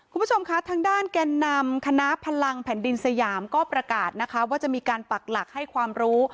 คุณผู้ชมคะทางด้านแก่นำคณะพลังแผ่นดินสยามก็ประกาศนะคะว่าจะมีการปักหลักให้ความรู้